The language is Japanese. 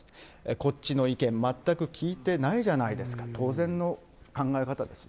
こっちの意見全く聞いてないじゃないですか、当然の考え方ですよ